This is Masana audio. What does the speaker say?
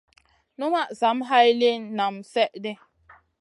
Numaʼ zam hay liyn naam slèh ɗi.